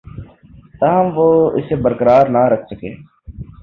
تاہم وہ اسے برقرار نہ رکھ سکے